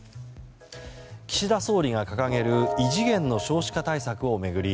岸田総理が掲げる異次元の少子化対策を巡り